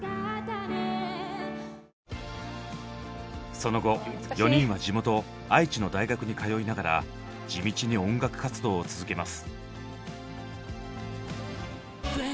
その後４人は地元愛知の大学に通いながら地道に音楽活動を続けます。